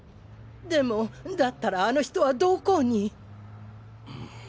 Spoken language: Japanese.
でもだったらあの人はどこに！？